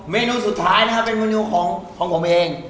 เมนูสุดท้ายนะครับเป็นเมนูของผมเอง